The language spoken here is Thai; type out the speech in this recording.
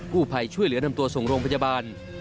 ผู้ภัยช่วยเหลือนำตัวส่งโรงพยาบาล